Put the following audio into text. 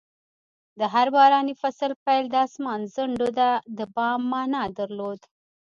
د هر باراني فصل پیل د اسمان ځنډو ته د پام مانا درلود.